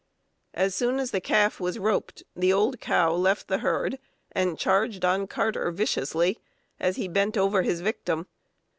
As soon as the calf was roped, the old cow left the herd and charged on Carter viciously, as he bent over his victim.